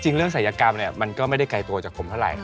เรื่องศัยกรรมมันก็ไม่ได้ไกลตัวจากผมเท่าไหร